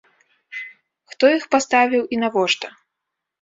Хто іх паставіў і навошта?